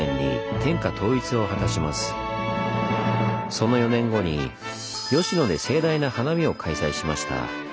その４年後に吉野で盛大な花見を開催しました。